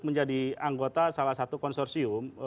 menjadi anggota salah satu konsorsium